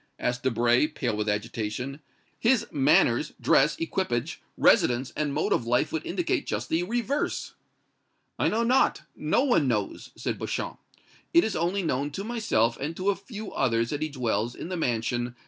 asked Debray, pale with agitation. "His manners, dress, equipage, residence and mode of life would indicate just the reverse." "I know not no one knows," said Beauchamp. "It is only known to myself and to a few others that he dwells in the mansion No.